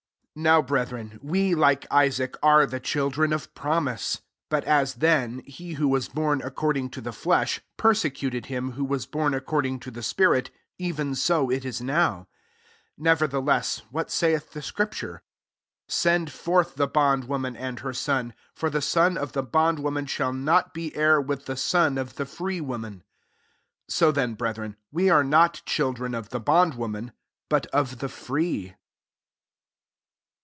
28 Now, brethren, we, like Isaac, are the children of pro mise. 29 But as then, he who was bom according to the flesh, persecuted him who was bom according to the spirit, even so it is now. 30 Nevertheless, what saith the scripture? "Send forth the bond worn an and her son : for the son of the bond woman shall not be heir with the son of the free woman." 31 [So Mew,] brethren, we are not children of the bond woman, but of the free.